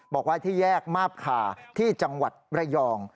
บอกว่าที่แยกมาบคาที่จังหวัดระยอง